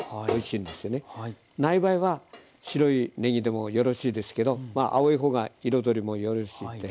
ない場合は白いねぎでもよろしいですけど青い方が彩りもよろしいので。